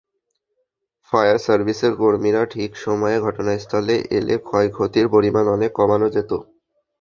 Fire সার্ভিসের কর্মীরা ঠিক সময়ে ঘটনাস্থলে এলে ক্ষয়ক্ষতির পরিমাণ অনেক কমানো যেত।